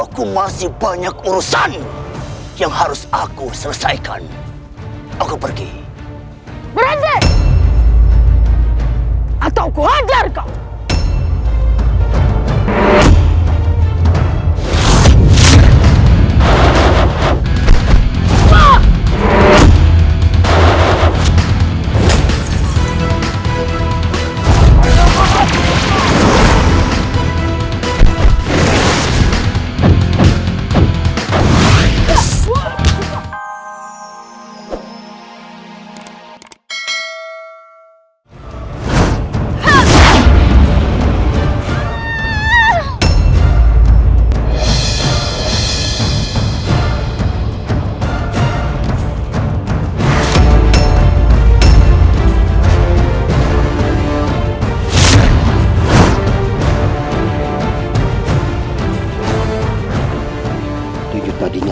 sampai jumpa di video selanjutnya